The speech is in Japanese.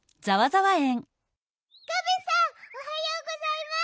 ガメさんおはようございます。